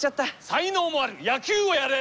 才能もある。